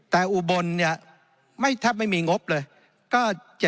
แต่อุบลเนี่ยถ้าไม่มีงบเลยก็๗๔๐๐๐